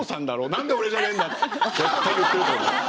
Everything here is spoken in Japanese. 何で俺じゃねえんだ！」って絶対言ってると思います。